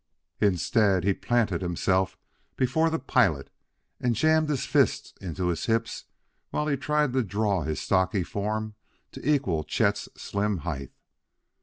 Instead he planted himself before the pilot and jammed his fists into his hips while he tried to draw his stocky form to equal Chet's slim height.